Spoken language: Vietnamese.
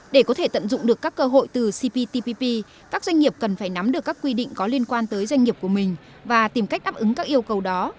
để có thể tận dụng được các cơ hội từ cptpp các doanh nghiệp cần phải nắm được các quy định có liên quan tới doanh nghiệp của mình và tìm cách đáp ứng các yêu cầu đó